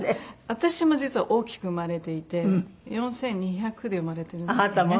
私も実は大きく生まれていて４２００で生まれてるんですよね。